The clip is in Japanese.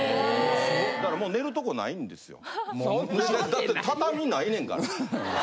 だって畳ないねんから。